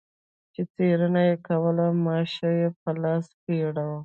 چې څېړنې یې کولې ماشه په لاس پیره و.